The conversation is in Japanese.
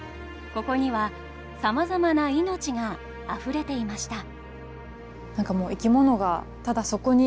ここにはさまざまな命があふれていました。